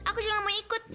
aku juga gak mau ikut